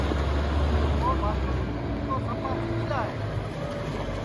او بھاتُو تُوں تو سپا جِدی لا ہے